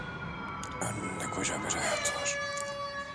Önünde koca bir hayat var.